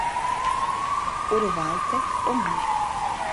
Урвалте — оҥа;